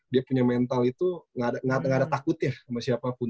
dia punya mental itu gak ada takut ya sama siapapun